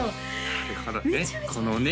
なるほどねこのね